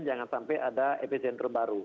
jangan sampai ada efisien terbaru